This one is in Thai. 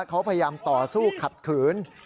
เขาพยายามต่อสู้ขัดขืน